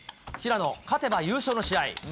平野、勝てば優勝の試合。